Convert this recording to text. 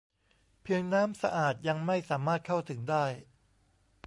เพียงน้ำสะอาดยังไม่สามารถเข้าถึงได้